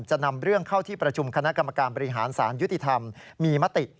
จะนำเรื่องเข้าที่ประชุมคณะกรรมการบริหารสารยุติธรรมมีมติ